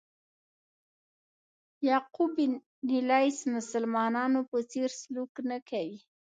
یعقوب بن لیث مسلمانانو په څېر سلوک نه کوي.